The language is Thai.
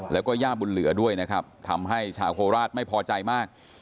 แล้วก็ย่าบุญเหลือด้วยนะครับทำให้ชาวโคราชไม่พอใจมาก